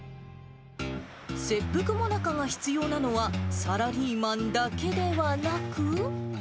切腹最中が必要なのは、サラリーマンだけではなく。